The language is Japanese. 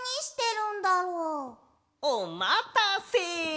・おまたせ！